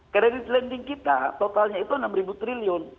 kredit lending kita totalnya itu rp enam triliun